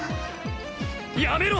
やめろ！